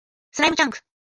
スライムチャンク